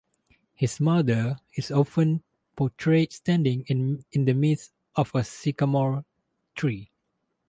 His mother is often portrayed standing in the midst of a sycamore tree.